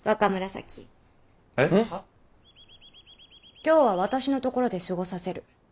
今日は私のところで過ごさせる。